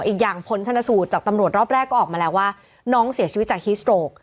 อีกอย่างผลชนสูตรจากตำรวจรอบแรกก็ออกมาแล้วว่าน้องเสียชีวิตจากฮิสโตรก